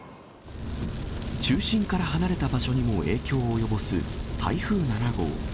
中心から離れた場所にも影響を及ぼす台風７号。